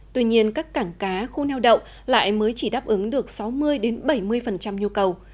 tuy nhiên các cảng cá khu neo đậu lại mới chỉ đáp ứng được sáu mươi bảy mươi nhu cầu